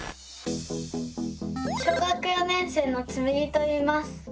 小学４年生のつむぎといいます。